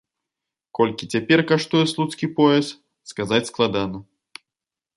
Колькі цяпер каштуе слуцкі пояс, сказаць складана.